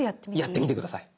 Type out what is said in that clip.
やってみて下さい。